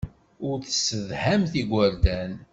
Ur tessedhamt igerdan.